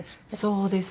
そうですね。